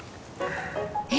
え！？